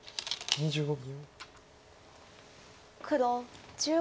２５秒。